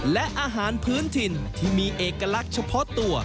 และอาหารพื้นถิ่นที่มีเอกลักษณ์เฉพาะตัว